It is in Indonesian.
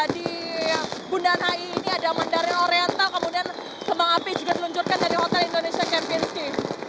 di bundaran hi ini ada mandaril oriental kemudian kebang api juga diluncurkan dari hotel indonesia kempinski